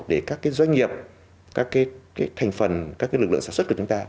để các cái doanh nghiệp các cái thành phần các cái lực lượng sản xuất của chúng ta